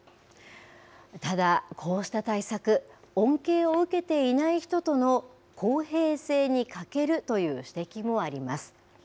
ただ、こうした対策、恩恵を受けていない人との公平性に欠けるという指摘もあります。